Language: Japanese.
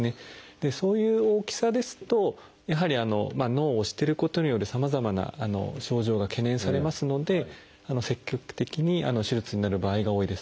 でそういう大きさですとやはり脳を押してることによるさまざまな症状が懸念されますので積極的に手術になる場合が多いです。